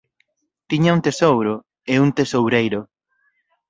Tiña un tesouro e un tesoureiro.